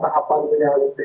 dikatakan ini harus dijalankan